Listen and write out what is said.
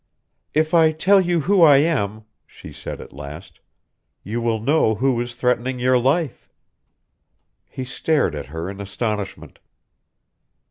"If I tell you who I am," she said at last, "you will know who is threatening your life." He stated at her in astonishment.